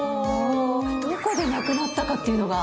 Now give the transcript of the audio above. どこでなくなったかっていうのが。